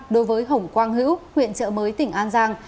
đối với hồng quang hữu huyện trợ mới tỉnh an giang